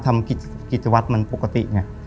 ทำกิจวัตรมันปกติเนี่ย